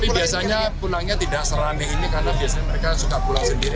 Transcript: tapi biasanya pulangnya tidak serani ini karena biasanya mereka suka pulang sendiri